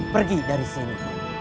pergi dari sini